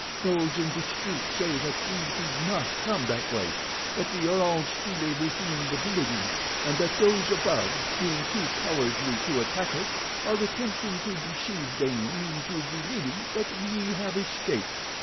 Those in the street say that we did not come that way—that we are still within the building, and that those above, being too cowardly to attack us, are attempting to deceive them into believing that we have escaped.